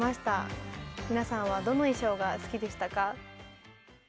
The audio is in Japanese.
皆さんはどの衣装が好きでしたか？